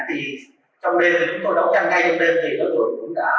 thì trong đêm chúng tôi đấu tranh ngay trong đêm thì đối tượng cũng đã